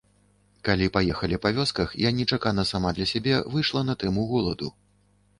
Калі паехалі па вёсках, я нечакана сама для сябе выйшла на тэму голаду.